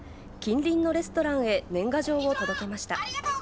近隣のレストランへ、年賀状を届けました。